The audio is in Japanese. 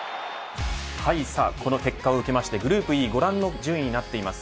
さあこの結果を受けましてグループＥご覧の順位になっています。